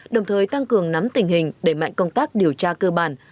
đồng thời tăng cường nắm tình hình đẩy mạnh công tác điều tra cơ bản